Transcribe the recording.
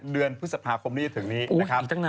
เดือนพฤษภาคมที่จะถึงนี้นะครับ